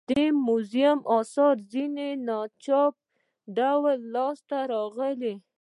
د دې موزیم اثار ځینې په ناڅاپي ډول لاس ته راغلي.